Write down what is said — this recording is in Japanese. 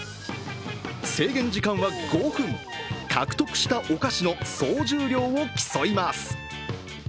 制限時間は５分、獲得したお菓子の総重量を競います。